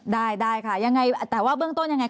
ได้ได้ค่ะยังไงแต่ว่าเบื้องต้นยังไง